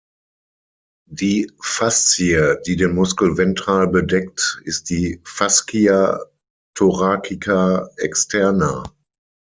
Die Faszie, die den Muskel ventral bedeckt, ist die Fascia thoracica externa.